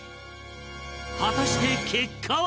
果たして結果は